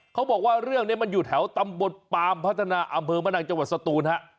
เขาบอกว่าเรื่องนี้มันอยู่แถวตำบลปามพัฒนาอำเภอมะนังจังหวัดสตูนฮะ